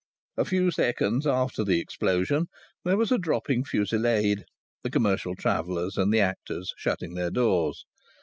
A few seconds after the explosion there was a dropping fusillade the commercial travellers and the actors shutting their doors.